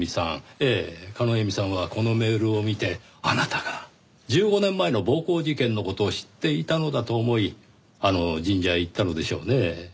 ええ叶笑さんはこのメールを見てあなたが１５年前の暴行事件の事を知っていたのだと思いあの神社へ行ったのでしょうねぇ。